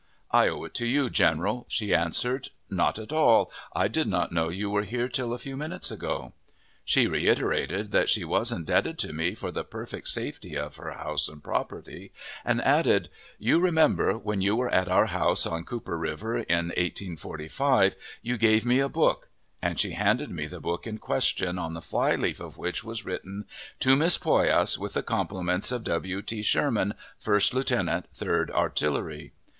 "I owe it to you, general," she answered. "Not at all. I did not know you were here till a few minutes ago." She reiterated that she was indebted to me for the perfect safety of her house and property, and added, "You remember, when you were at our house on Cooper River in 1845, you gave me a book;" and she handed me the book in question, on the fly leaf of which was written: "To Miss Poyas, with the compliments of W. T. Sherman, First lieutenant Third Artillery."